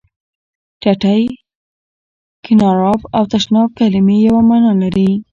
ټټۍ، کېناراب او تشناب کلمې یوه معنا لري.